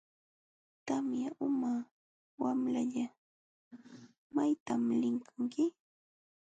Tampa uma wamlalla ¿maytam liykanki?